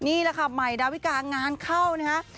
นี่แหละค่ะใหม่ดาวิกางานเข้านะฮะ